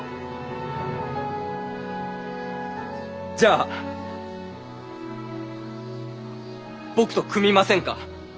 じゃあ僕と組みませんか？